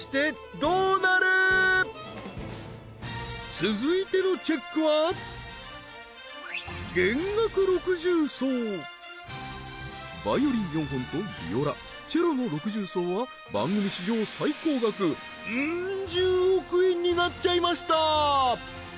続いてのチェックはヴァイオリン４本とヴィオラチェロの六重奏は番組史上最高額うん十億円になっちゃいました